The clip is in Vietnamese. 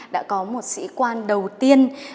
đã có một sĩ quan đầu tiên